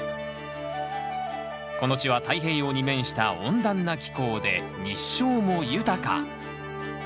この地は太平洋に面した温暖な気候で日照も豊か。